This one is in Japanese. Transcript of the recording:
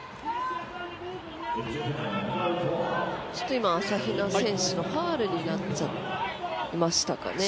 今、朝比奈選手のファウルになっちゃいましたかね。